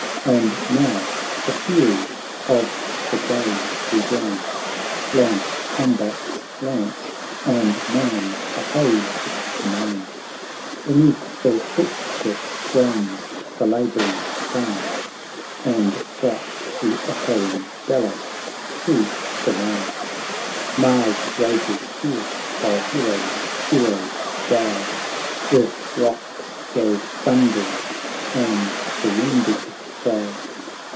And now the fury of the day began — Lance combats lance, and man 's opposed to man ; Beneath their footstepsgroans the labour ing plain. And shouts re echoing bellow to the main ; Mars rages fierce; by heroes, heroes die; Earth rocks, Jove thunders, and the wounded cry.